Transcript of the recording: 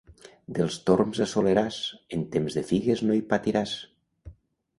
Dels Torms a Soleràs, en temps de figues no hi patiràs.